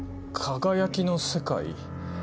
「かがやきの世界」。